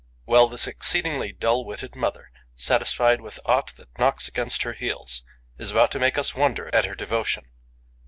Well, this exceedingly dull witted mother, satisfied with aught that knocks against her heels, is about to make us wonder at her devotion.